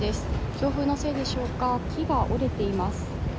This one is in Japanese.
強風のせいでしょうか、木が折れています。